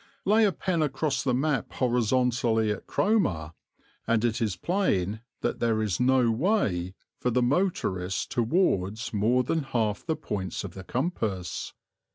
Lay a pen across the map horizontally at Cromer, and it is plain that there is no way for the motorist towards more than half the points of the compass.